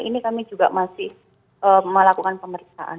ini kami juga masih melakukan pemeriksaan